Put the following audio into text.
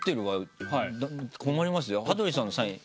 羽鳥さんのサイン。